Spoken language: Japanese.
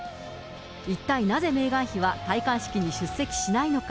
一体なぜ、メーガン妃は戴冠式に出席しないのか。